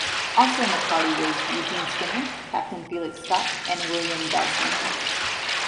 Also in the party was Eugene Skinner, Captain Felix Scott, and William Dodson.